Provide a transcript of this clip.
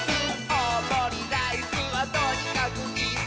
「おおもりライスはとにかくイス！」